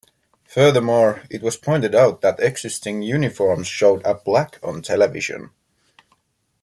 Furthermore, it was pointed out that the existing uniforms showed up black on television.